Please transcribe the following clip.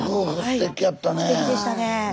すてきでしたね。